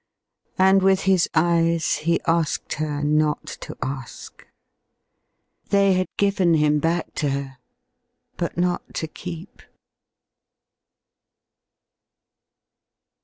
And with his eyes he asked her not to ask. They had given him back to her, but not to keep.